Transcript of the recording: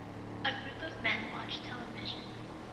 A group of men watch television.